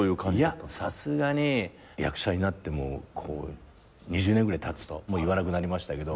いやさすがに役者になって２０年ぐらいたつともう言わなくなりましたけど。